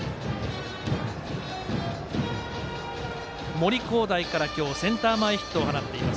森煌誠から今日センター前ヒットを放っています